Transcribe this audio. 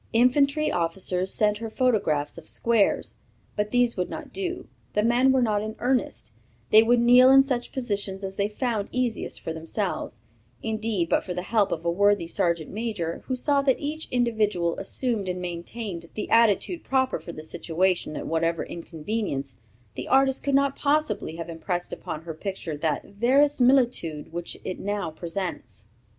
Infantry officers sent her photographs of 'squares.' But these would not do, the men were not in earnest; they would kneel in such positions as they found easiest for themselves; indeed, but for the help of a worthy sergeant major, who saw that each individual assumed and maintained the attitude proper for the situation at whatever inconvenience, the artist could not possibly have impressed upon her picture that verisimilitude which it now presents.